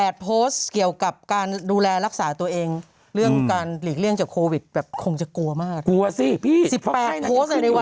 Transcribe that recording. ดับนะครับแล้วเราจับบอกว่าล่ะล่ะค่ะ